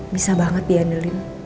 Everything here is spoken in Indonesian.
bisa banget diandelin